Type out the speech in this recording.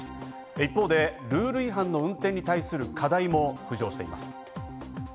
一方でルール違反の運転に対する課題も浮上しています。